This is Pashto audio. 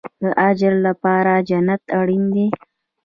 د اجر لپاره جنت اړین دی